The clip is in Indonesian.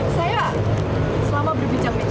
saya selama berbicara bicara dengan anda